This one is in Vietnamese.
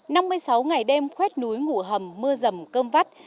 năm mươi sáu ngày đêm khuét núi ngủ hầm mưa rầm cơm vắt